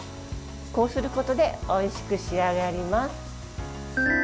こうすることでおいしく仕上がります。